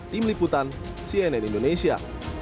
tim liputan cnn indonesia